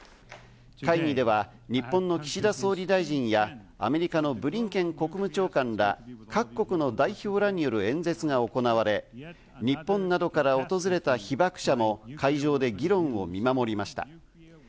会議では、日本の岸田総理大臣やアメリカのブリンケン国務長官ら各国の代表らによる演説が行われ、日本などから訪れた被爆者も会場で議論を見守りました。